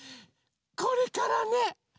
これからね